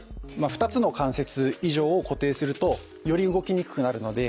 ２つの関節以上を固定するとより動きにくくなるので。